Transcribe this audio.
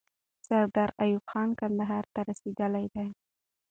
سردار ایوب خان کندهار ته رسیدلی دی.